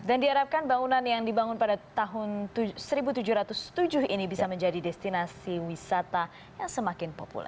dan diharapkan bangunan yang dibangun pada tahun seribu tujuh ratus tujuh ini bisa menjadi destinasi wisata yang semakin populer